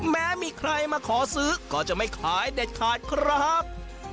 แม้มีใครมาขอซื้อก็จะไม่ขายเด็ดขาดครับ